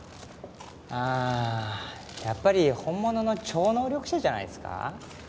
ああやっぱり本物の超能力者じゃないっすか？